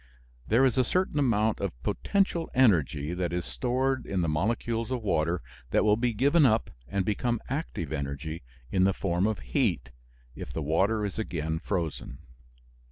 There is a certain amount of potential energy that is stored in the molecules of water that will be given up and become active energy in the form of heat, if the water is again frozen.